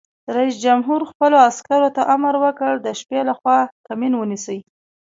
رئیس جمهور خپلو عسکرو ته امر وکړ؛ د شپې لخوا کمین ونیسئ!